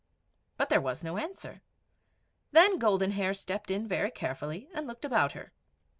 But there was no answer. Then Golden Hair stepped in very carefully, and looked about her.